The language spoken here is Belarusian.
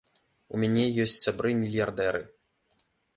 У мяне ёсць сябры мільярдэры.